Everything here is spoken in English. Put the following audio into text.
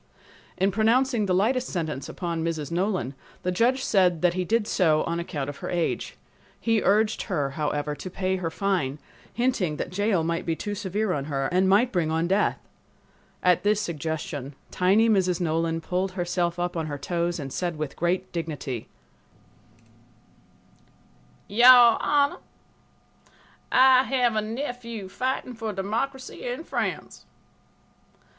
In pronouncing the lightest sentence upon Mrs. Nolan, the judge said that he did so on account of her age. He urged her, however, to pay her fine, hinting that jail might be too severe on her and might bring on death. At this suggestion, tiny Mrs. Nolan pulled herself up on her toes and said with great dignity: "Your Honor, I have a nephew fighting for democracy in France.